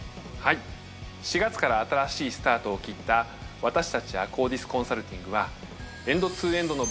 ４月から新しいスタートを切った私たち「ＡＫＫＯＤｉＳコンサルティング」は。